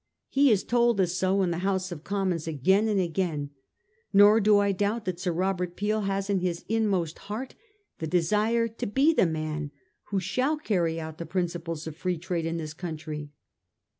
He has told us so in the House of Commons again and again ; nor do I doubt that Sir Robert Peel has in his inmost heart the desire to be the man who shall carry out the principles of Free Trade in this country.